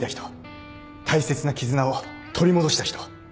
大切な絆を取り戻した人。